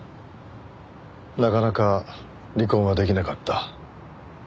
なかなか離婚はできなかった。